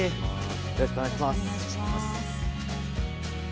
よろしくお願いします。